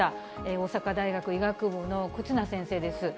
大阪大学医学部の忽那先生です。